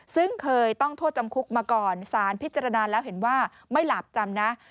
ซึ่งเคยต้องโทษจำคุกมาก่อนสารพิจารณาแล้วเห็นว่าไม่หลาบจำนะ